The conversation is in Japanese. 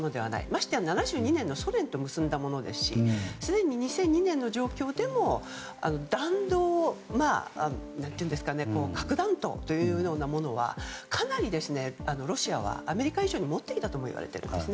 ましてや７２年のソ連と結んだものですしすでに２００２年の状況でも核弾頭というようなものはかなりロシアはアメリカ以上に持っていたともいわれています。